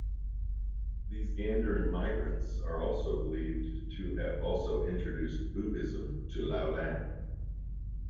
These Gandharan migrants are also believed to have also introduced Buddhism to Loulan.